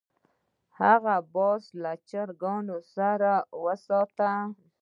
هغه باز له چرګانو سره وساته.